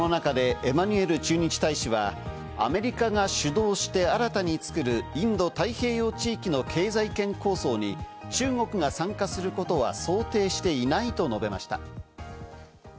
この中でエマニュエル駐日大使はアメリカが主導して新たに作るインド太平洋地域の経済圏構想に中国が参加することは想定していないと述べました。